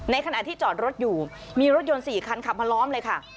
ขณะที่จอดรถอยู่มีรถยนต์๔คันขับมาล้อมเลยค่ะ